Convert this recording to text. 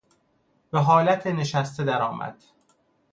به حالت نشسته درآمد.